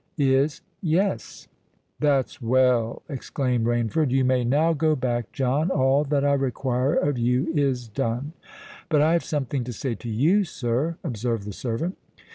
"Is yes." "That's well!" exclaimed Rainford. "You may now go back, John. All that I require of you is done." "But I have something to say to you, sir," observed the servant.